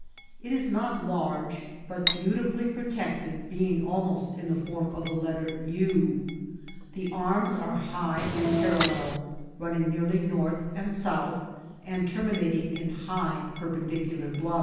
It is not large, but beautifully protected, being almost in the foixn of the letter U. The arms are high and paiaUeJ, mn? ning nearly north and south, and terminating in higb peipendicular blu&.